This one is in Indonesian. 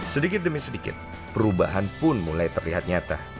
sedikit demi sedikit perubahan pun mulai terlihat nyata